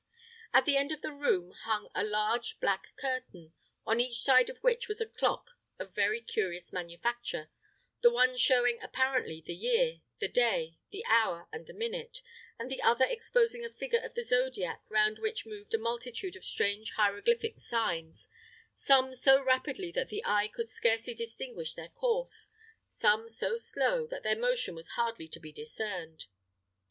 At the end of the room hung a large black curtain, on each side of which was a clock of very curious manufacture; the one showing, apparently, the year, the day, the hour, and the minute; and the other exposing a figure of the zodiac, round which moved a multitude of strange hieroglyphic signs, some so rapidly that the eye could scarcely distinguish their course, some so slow that their motion was hardly to be discerned.